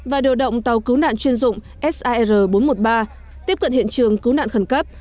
và điều động tàu cứu nạn chuyên dụng sar bốn trăm một mươi ba tiếp cận hiện trường cứu nạn khẩn cấp